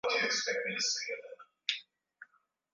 ya maji ya Itacara Ilichukua sisi wote wa siku